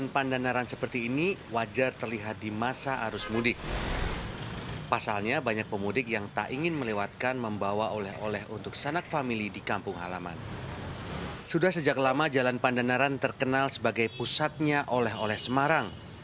pertama jalan pandanaran terkenal sebagai pusatnya oleh oleh semarang